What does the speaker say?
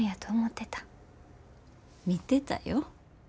みてたよ。